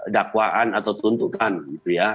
dakwaan atau tuntutan gitu ya